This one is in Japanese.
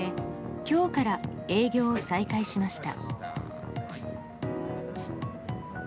今日から営業を再開しました。